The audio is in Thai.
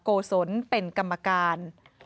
โกศลเป็นกรรมการ